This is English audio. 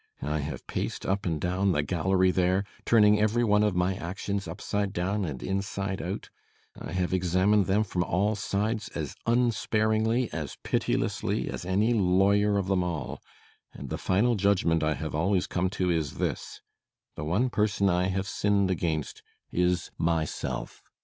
I have paced up and down the gallery there, turning every one of my actions upside down and inside out. I have examined them from all sides as unsparingly, as pitilessly, as any lawyer of them all. And the final judgment I have always come to is this: the one person I have sinned against is myself.